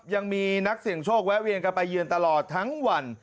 ยังมีนักเสี่ยงโชคแวะเวียนกันไปเยือนตลอดทั้งวัน